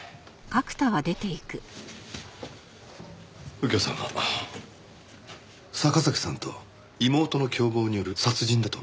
右京さんも坂崎さんと妹の共謀による殺人だと思いますか？